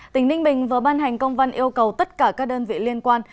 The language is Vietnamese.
tỉnh ninh bình vừa ban hành công văn yêu cầu tất cả các đơn vị liên quan